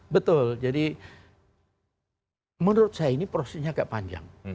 betul jadi menurut saya ini prosesnya agak panjang